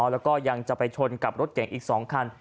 แล้วก็ยังจะไปชนกับรถเก่งอีก๒คัน